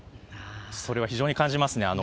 それは非常に感じますね。